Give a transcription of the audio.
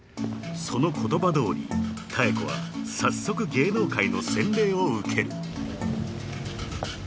［その言葉どおり妙子は早速芸能界の洗礼を受ける］